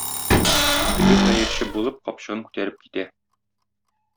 Теге хәерче булып, капчыгын күтәреп китә.